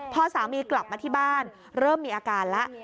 พอสามีกลับมาที่บ้านเริ่มมีอาการแล้ว